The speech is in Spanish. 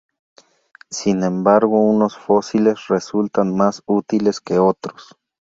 Sin embargo unos fósiles resultan más útiles que otros.